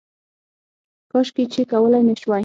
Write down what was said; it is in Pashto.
کاشکې چې کولی مې شوای